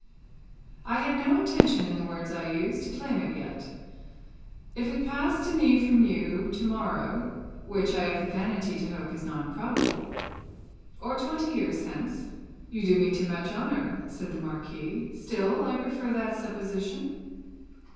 "I had no intention, in the words I used, to claim it yet. If it passed to me from you, to morrow " "Which I have the vanity to hope is not probable." " or twenty years hence " "You do me too much honour," said the Marquis; "still, I prefer that supposition."